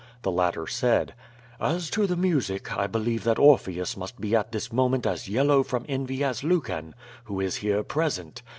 The latter said: "As to the music, I believe that Orpheus must be at this moment as yellow from envy as Lucan, who is here present.